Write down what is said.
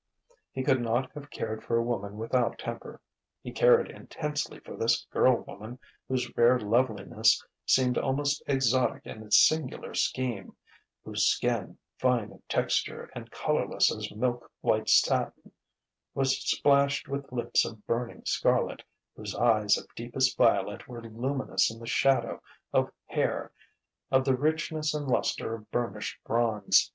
He could not have cared for a woman without temper: he cared intensely for this girl woman whose rare loveliness seemed almost exotic in its singular scheme, whose skin, fine of texture and colourless as milk white satin, was splashed with lips of burning scarlet, whose eyes of deepest violet were luminous in the shadow of hair of the richness and lustre of burnished bronze